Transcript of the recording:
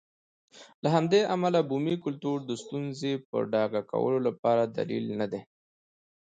له همدې امله بومي کلتور د ستونزې په ډاګه کولو لپاره دلیل نه دی.